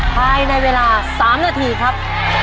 ภายในเวลา๓นาทีครับ